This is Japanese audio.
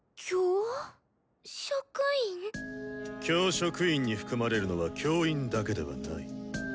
「教『職』員」に含まれるのは「教員」だけではない。